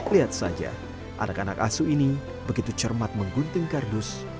lihat saja anak anak asuh ini begitu cermat menggunting kardus